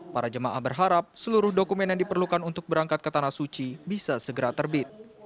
para jemaah berharap seluruh dokumen yang diperlukan untuk berangkat ke tanah suci bisa segera terbit